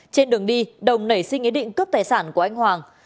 trên đường đi đồng nảy sinh ý định cướp tài sản của anh hoàng